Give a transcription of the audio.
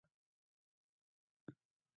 شیخ تیمن کاکړ د بیلتون په اړه یوه سندره ویلې ده